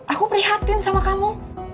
aku prihatin sama kamu